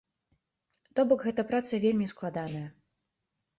То бок гэта праца вельмі складаная.